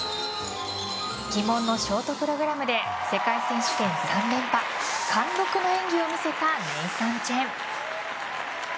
鬼門のショートプログラムで世界選手権３連覇貫禄の演技を見せたネイサン・チェン。